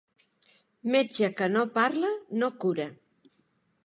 Metge que no parla, no cura.